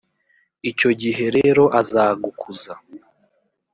icyo gihe rero azagukuza,